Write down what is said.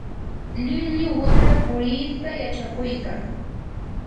llullu wamra puriita yachakuykan.